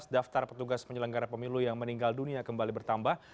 daftar petugas penyelenggara pemilu yang meninggal dunia kembali bertambah